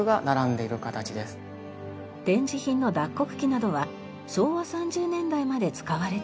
展示品の脱穀機などは昭和３０年代まで使われていました。